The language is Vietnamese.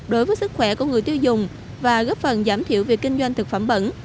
đối với sức khỏe của người tiêu dùng và góp phần giảm thiểu việc kinh doanh thực phẩm bẩn